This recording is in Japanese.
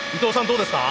どうですか？